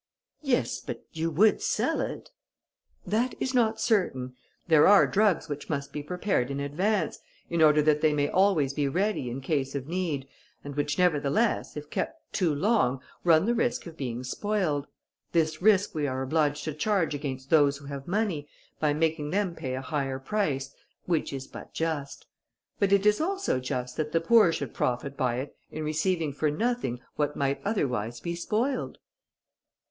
"Yes, but you would sell it." "That is not certain. There are drugs which must be prepared in advance, in order that they may always be ready in case of need, and which, nevertheless, if kept too long, run the risk of being spoiled. This risk we are obliged to charge against those who have money, by making them pay a higher price, which is but just; but it is also just that the poor should profit by it in receiving for nothing what might otherwise be spoiled."